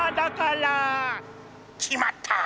きまった！